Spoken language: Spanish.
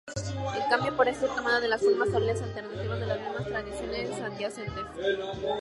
En cambio, parece ser tomado de formas orales alternativas de las mismas tradiciones subyacentes.